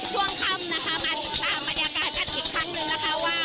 ช่วงค่ำนะคะมาติดตามบรรยากาศกันอีกครั้งหนึ่งนะคะว่า